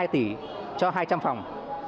ba trăm hai mươi hai tỷ cho hai trăm linh phòng